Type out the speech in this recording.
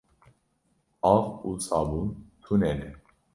Av û sabûn tune ne.